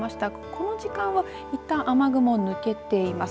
この時間はいったん雨雲抜けています。